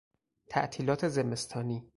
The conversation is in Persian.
تعطیلات زمستانی